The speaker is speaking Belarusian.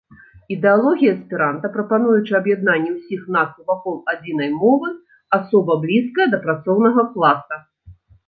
Ідэалогія эсперанта, прапануючая аб'яднанне ўсіх нацый вакол адзінай мовы, асоба блізкая да працоўнага класа.